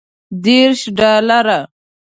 دېرش ډالره.